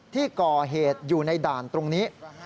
ที่ก่อเหตุอยู่ในด่านตรงนี้